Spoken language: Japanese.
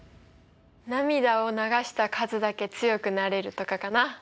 涙を流した数だけ強くなれるとかかな。